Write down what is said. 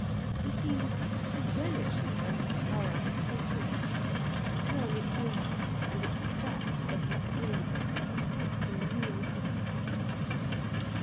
He seemed to relish his own horror and hatred of her, turn it over and extract every flavour from it, in real panic.